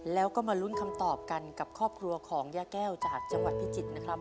แล้วก็มาลุ้นคำตอบกันกับครอบครัวของย่าแก้วจากจังหวัดพิจิตรนะครับ